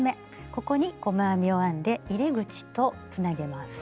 ここに細編みを編んで入れ口とつなげます。